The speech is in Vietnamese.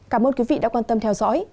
cảm ơn quý vị đã quan tâm theo dõi